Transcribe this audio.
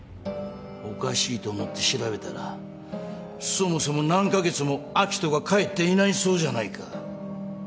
おかしいと思って調べたらそもそも何カ月も明人が帰っていないそうじゃないか。